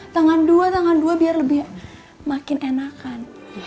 tangan dua tangan dua biar lebih makin enakan